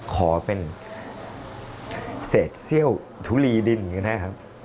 ขอเป็นเศษเซี่ยวทุลีดินก็ได้ครับ